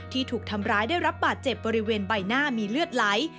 ถูกทำร้ายได้รับบาดเจ็บบริเวณใบหน้ามีเลือดไหล